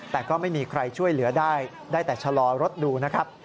แต่ก็ไม่มีใครช่วยเหลือได้ได้แต่ชะลอรถดูนะครับ